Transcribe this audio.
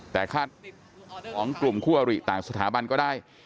แต่คาดของกลุ่มคู่อริต่างสถาบันก็ได้